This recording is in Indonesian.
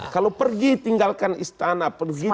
kalau pergi tinggalkan istana